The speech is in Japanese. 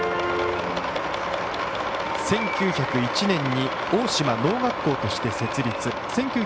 １９０１年に大島農学校として設立。